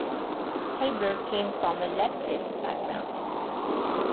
Haber "came from a leftist background".